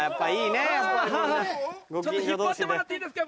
引っ張ってもらっていいですか？